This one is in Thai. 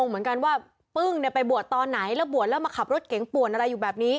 เหมือนกันว่าปึ้งไปบวชตอนไหนแล้วบวชแล้วมาขับรถเก๋งป่วนอะไรอยู่แบบนี้